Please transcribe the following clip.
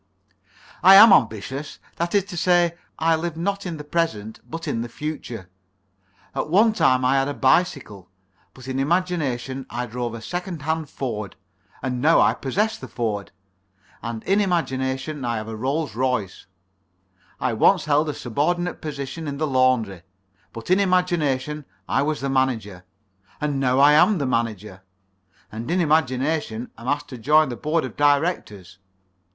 "I am ambitious. That is to say, I live not in the present, but in the future. At one time I had a bicycle, but in imagination I drove a second hand Ford; and now I possess the Ford, and in imagination I have a Rolls Royce. I once held a subordinate position in the laundry, but in imagination I was the manager; and now I am the manager, and in imagination am asked to join the Board of Directors.